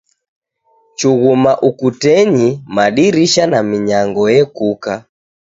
Chughuma ukutenyi, madirisha na minyango ekuka.